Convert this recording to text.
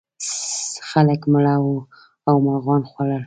خلک مړه وو او مرغانو خوړل.